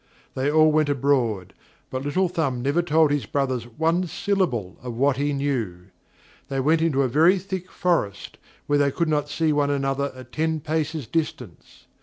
They all went abroad, but Little Thumb never told his brothers one syllable of what he knew. They went into a very thick forest, where they could not see one another at ten paces distance.